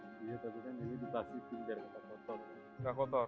iya tapi ini dibakitin biar nggak kotor